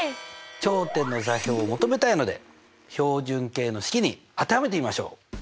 頂点の座標を求めたいので標準形の式に当てはめてみましょう。